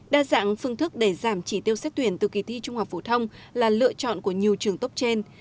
đa dạng phương thức để giảm chỉ tiêu xét tuyển từ kỳ thi trung học phổ thông là lựa chọn của nhiều trường tốt trên